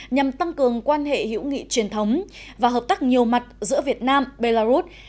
nhằm tăng cường quan hệ hữu nghị truyền thống và hợp tác nhiều mặt giữa việt nam belarus